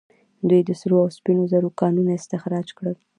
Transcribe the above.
دوی د سرو او سپینو زرو کانونه استخراج کړل